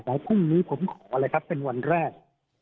พรุ่งนี้ผมขอเลยครับเป็นวันแรก